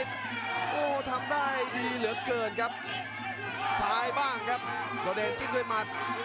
โดเดชน์จิ้งด้วยมัด